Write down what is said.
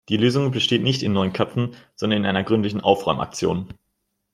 Die Lösung besteht nicht in neuen Köpfen, sondern in einer gründlichen Aufräumaktion.